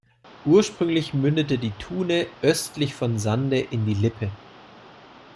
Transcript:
Ursprünglich mündete die Thune östlich von Sande in die Lippe.